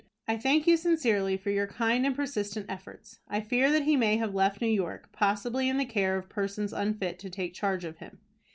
I thank you sincerely for your kind and persistent efforts. I fear that he may have left New York, possibly in the care of persons unfit to take charge of him.